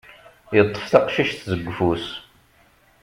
Yeṭṭef taqcict seg ufus.